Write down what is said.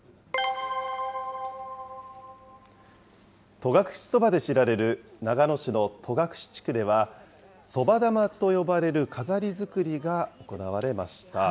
戸隠そばで知られる長野市の戸隠地区では、そば玉と呼ばれる飾り作りが行われました。